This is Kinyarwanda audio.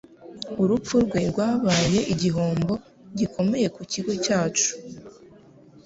Urupfu rwe rwabaye igihombo gikomeye ku kigo cyacu.